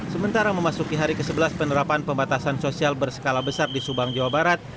sementara memasuki hari ke sebelas penerapan pembatasan sosial berskala besar di subang jawa barat